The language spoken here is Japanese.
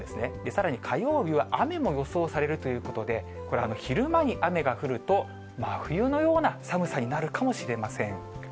さらに火曜日は雨も予想されるということで、これ、昼間に雨が降ると、真冬のような寒さになるかもしれません。